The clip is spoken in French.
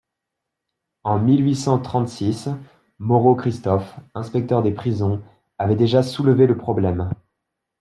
En mille huit cent trente-six, Moreau-Christophe, inspecteur des prisons, avait déjà soulevé le problème.